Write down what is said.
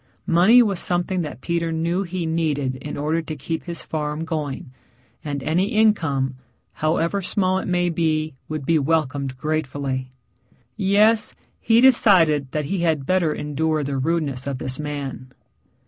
Money was something that Peter knew he needed in order to keep his farm going, and any income, however small it may be, would be welcomed gratefully. Yes, he decided that he had better endure the rudeness of this man.